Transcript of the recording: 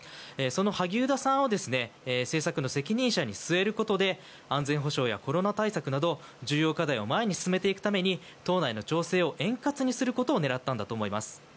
その萩生田さんを政策の責任者に据えることで据えることで安全保障やコロナ対策など重要課題を前に進めていくために党内の調整を円滑にすることを狙ったんだと思います。